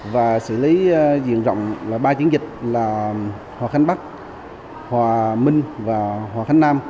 và xử lý diện rộng là ba chiến dịch là hòa khánh bắc hòa minh và hòa khánh nam